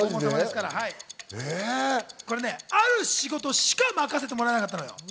これね、ある仕事しか任せてもらえなかったのよ。